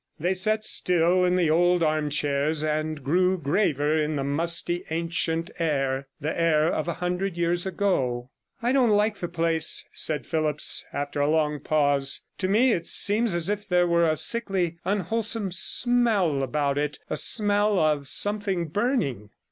They sat still in the old arm chairs, and grew graver in the musty ancient air, the air of a hundred years ago. 'I don't like the place,' said Phillipps, after a long pause. 'To me it seems as if there were a sickly, unwholesome smell about it, a smell of something burning.'